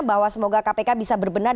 bahwa semoga kpk bisa berbenar